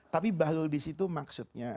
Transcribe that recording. tapi bahlul disitu maksudnya